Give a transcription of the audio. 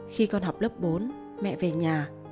khi con học lớp bốn mẹ về nhà